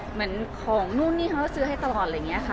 เหมือนของนู่นนี่เขาก็ซื้อให้ตลอดอะไรอย่างนี้ค่ะ